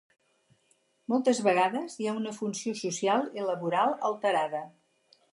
Moltes vegades hi ha una funció social i laboral alterada.